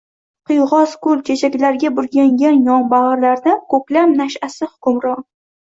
Qiyg‘os gul-chechaklarga burkangan yonbag‘irlarda ko‘klam nash’asi hukmron.